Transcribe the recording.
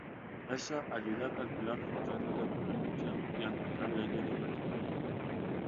Eso ayudó a calcular funciones de correlación y a encontrar leyes de conservación.